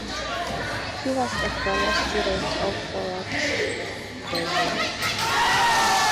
He was a fellow student of Horace Vernet.